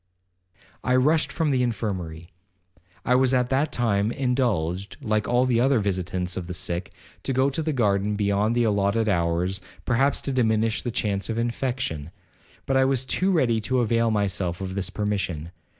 'I rushed from the infirmary. I was at that time indulged, like all the other visitants of the sick, to go to the garden beyond the allotted hours, perhaps to diminish the chance of infection. I was but too ready to avail myself of this permission.